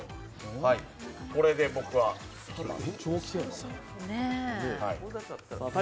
これで僕はいきます。